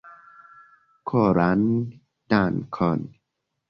Koran dankon!